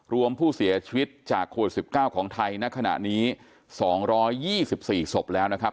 รวมผู้เสียชีวิตจากโควิด๑๙ของไทยณขณะนี้๒๒๔ศพแล้วนะครับ